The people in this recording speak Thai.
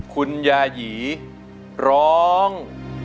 คุณยายีร้อง